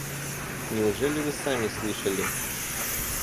Неужели вы сами слышали?